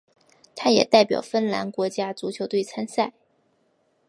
他也代表芬兰国家足球队参赛。